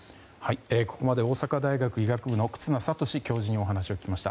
ここまで大阪大学医学部の忽那賢志教授にお話を聞きました。